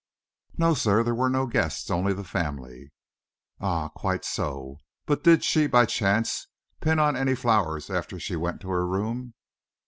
"No, sir. There were no guests only the family." "Ah, quite so. But did she, by chance, pin on any flowers after she went to her room?"